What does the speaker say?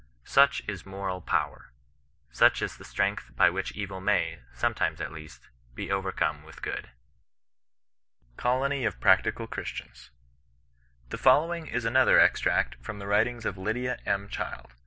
Such is moral power. Such is the strength by which evil may, sometimes at least, be overcome with . good. COLOKT OF PBAOTIOAL CHBISTIAKS. The following is another extract from the writings of Lydia, M, Child.